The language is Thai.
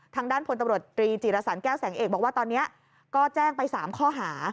ทางด้านพลตำรวจตรีจิรสันแก้วแสงเอกบอกว่าตอนนี้ก็แจ้งไป๓ข้อหา